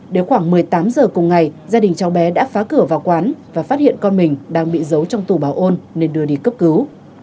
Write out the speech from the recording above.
đến khoảng một mươi tám giờ cùng ngày gia đình cháu bé đã phá cửa vào quán và phát hiện con mình đang bị giấu trong tủ bảo ôn nên đưa đi cấp cứu